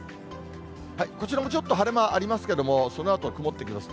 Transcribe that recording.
こちらもちょっと晴れ間ありますけれども、そのあと、曇ってきます。